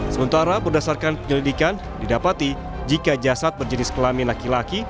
sementara berdasarkan penyelidikan didapati jika jasad berjenis kelamin laki laki